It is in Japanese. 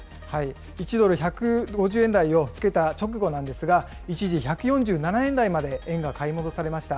１ドル１５０円台をつけた直後なんですが、一時１４７円台まで円が買い戻されました。